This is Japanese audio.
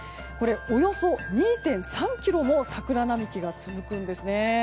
およそ２．３ｋｍも桜並木が続くんですね。